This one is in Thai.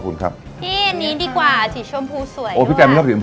อ๋อสวัสดีครับ